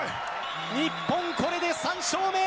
日本、これで３勝目！